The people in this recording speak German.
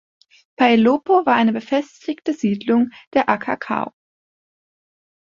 Pailopo war eine befestigte Siedlung der "Aca Cao".